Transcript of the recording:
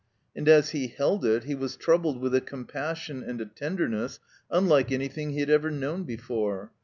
And as he held it he was troubled with a compassion and a tenderness tmlike anjrthing he had ever known before.